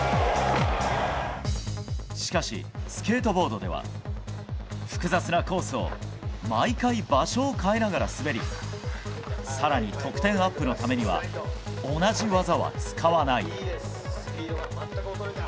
しかし、スケートボードでは複雑なコースを毎回、場所を変えながら滑り更に得点アップのためには同じ技は使わない。